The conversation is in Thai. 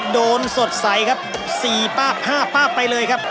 โดนสดใสครับสี่ป้าห้าป้าไปเลยครับ